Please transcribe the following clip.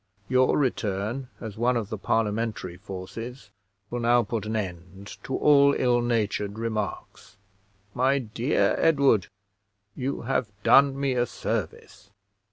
Your return as one of the Parliamentary forces will now put an end to all ill natured remarks. My dear Edward, you have done me a service.